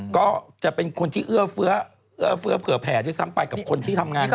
ก็จะเป็นคนที่เอื้อเฟื้อเผื่อแผ่ด้วยซ้ำไปกับคนที่ทำงาน